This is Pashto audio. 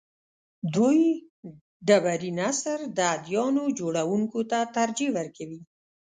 دوی ډبرین عصر د اديانو جوړونکو ته ترجیح ورکوي.